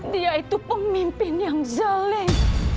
dia itu pemimpin yang zolim